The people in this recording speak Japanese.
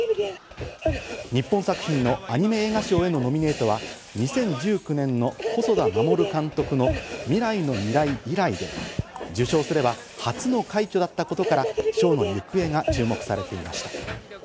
日本作品のアニメ映画賞へのノミネートは２０１９年の細田守監督の『未来のミライ』以来で、受賞すれば初の快挙だったことから賞の行方が注目されていました。